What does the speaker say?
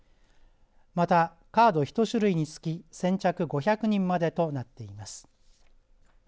また、カード１種類につき先着５００人までとなっています。